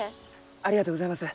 ありがとうございます。